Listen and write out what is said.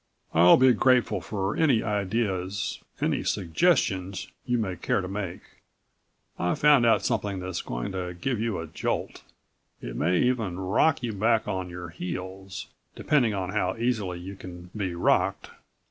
"I'll be grateful for any ideas, any suggestions you may care to make. I've found out something that's going to give you a jolt. It may even rock you back on your heels, depending on how easily you can be rocked.